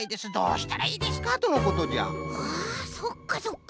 あそっかそっか。